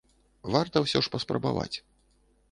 Варта ўсё ж паспрабаваць.